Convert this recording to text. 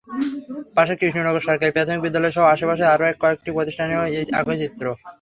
পাশের কৃষ্ণনগর সরকারি প্রাথমিক বিদ্যালয়সহ আশপাশের আরও কয়েকটি শিক্ষাপ্রতিষ্ঠানেরও একই চিত্র।